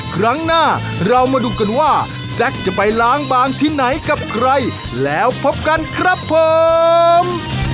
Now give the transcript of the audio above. ครั้งหน้าเรามาดูกันว่าแซ็กจะไปล้างบางที่ไหนกับใครแล้วพบกันครับผม